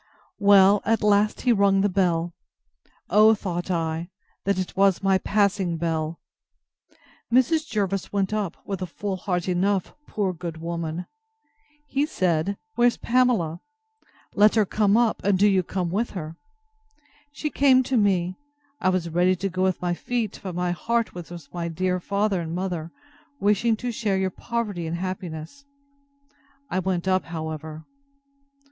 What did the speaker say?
Well, at last he rung the bell: O, thought I, that it was my passing bell! Mrs. Jervis went up, with a full heart enough, poor good woman! He said, Where's Pamela? Let her come up, and do you come with her. She came to me: I was ready to go with my feet; but my heart was with my dear father and mother, wishing to share your poverty and happiness. I went up, however.